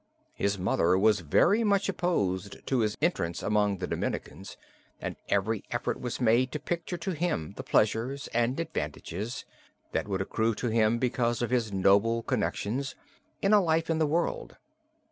His mother was very much opposed to his entrance among the Dominicans, and every effort was made to picture to him the pleasures and advantages that would accrue to him because of his noble connections, in a life in the world.